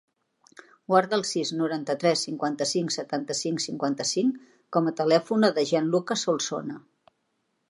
Guarda el sis, noranta-tres, cinquanta-cinc, setanta-cinc, cinquanta-cinc com a telèfon del Gianluca Solsona.